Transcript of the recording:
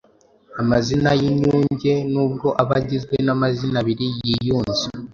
Amazina y’inyunge nubwo aba agizwe n’amazina abiri yiyunze